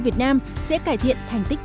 việt nam sẽ cải thiện thành tích